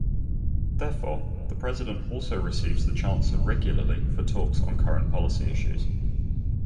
Therefore, the President also receives the Chancellor regularly for talks on current policy issues.